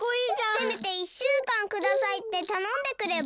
せめて１しゅうかんくださいってたのんでくれば？